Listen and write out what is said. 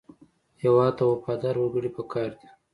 هېواد ته وفادار وګړي پکار دي